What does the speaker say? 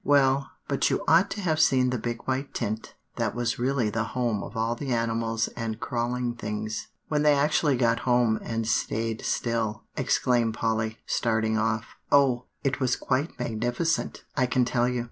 "Well, but you ought to have seen the big white tent that was really the home of all the animals and crawling things, when they actually got home and staid still," exclaimed Polly, starting off. "Oh! it was quite magnificent, I can tell you.